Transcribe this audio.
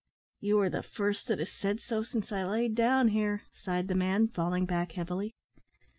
"You are the first that has said so since I lay down here," sighed the man, falling back heavily.